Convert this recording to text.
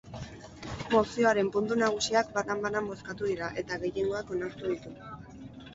Mozioaren puntu nagusiak banan-banan bozkatu dira eta gehiengoak onartu ditu.